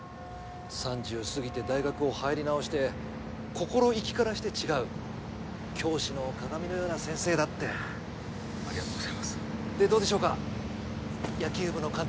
３０を過ぎて大学を入り直して心意気からして違う教師の鑑のような先生だってありがとうございますでどうでしょうか野球部の監督